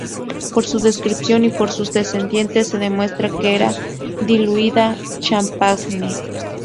Por su descripción y por sus descendientes se demuestra que era diluida champagne.